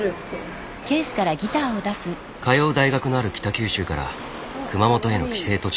通う大学のある北九州から熊本への帰省途中。